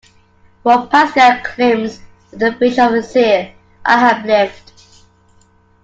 What Pascal glimpsed with the vision of a seer, I have lived.